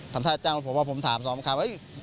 ทำท่าจะจ้างรถผมแล้วผมถาม๒คำ